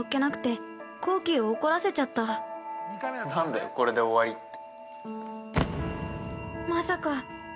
◆何だよ、これで終わりって。